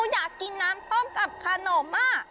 อยากกินน้ำต้มกับขนม